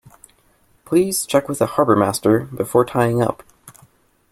Please check with the harbourmaster before tying up